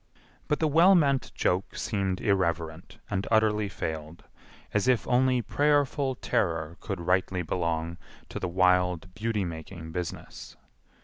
But the well meant joke seemed irreverent and utterly failed, as if only prayerful terror could rightly belong to the wild beauty making business.